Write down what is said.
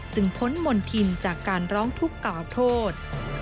จึงพ้นมลทินจากการร้องทุกข่าวโทษ